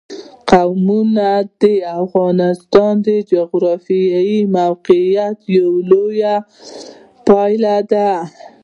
قومونه د افغانستان د جغرافیایي موقیعت یوه لویه پایله ده.